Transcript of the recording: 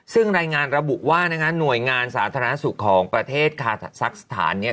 ซึ่งรายงานระบุว่านะคะหน่วยงานสาธารณสุขของประเทศคาซักสถานเนี่ย